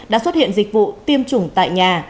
đã xuất hiện dịch vụ tiêm chủng tại nhà